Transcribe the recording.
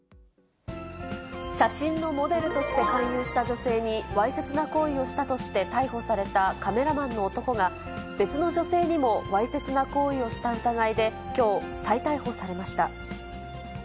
写真のモデルとして勧誘した女性にわいせつな行為をしたとして逮捕されたカメラマンの男が、別の女性にもわいせつな行為をした疑いできょう、再逮捕されました。